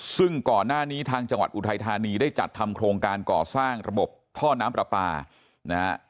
ซึ่งก่อนหน้านี้ทางจังหวัดอุทัยธานีได้จัดทำโครงการก่อสร้างระบบท่อน้ำปลาปลานะฮะ